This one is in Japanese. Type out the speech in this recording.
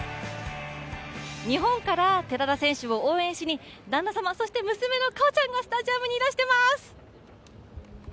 日本から寺田選手を応援しに、旦那様、娘の果緒ちゃんがスタジアムにいらしています！